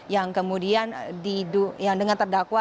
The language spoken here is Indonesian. yang kemudian dengan terdakwa